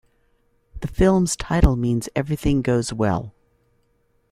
The film's title means everything goes well.